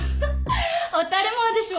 当たり前でしょ。